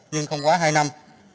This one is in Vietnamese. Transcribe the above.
nhưng không quá hai năm